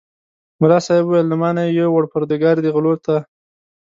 ملا صاحب وویل له ما نه یې یووړ پرودګار دې غلو ته.